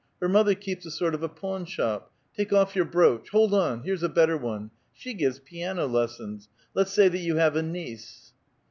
Her mother keeps a sort of a pawn shop. Take off your brooch ! Hold on ! here's a better one: she gives piano lessons. Let's say that you have a niece."